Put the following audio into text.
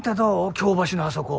京橋のあそこ。